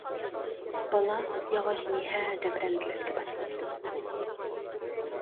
بالا ياغاچنى ھەدەپ رەندىلەشكە باشلاپتۇ.